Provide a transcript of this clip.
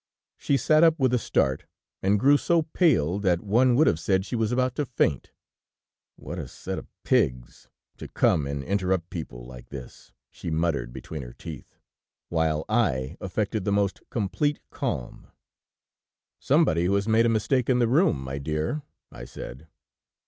"She sat up with a start, and grew so pale that one would have said she was about to faint. "'What a set of pigs, to come and interrupt people like this!' she muttered between her teeth; while I affected the most complete calm. "'Somebody who has made a mistake in the room, my dear,' I said.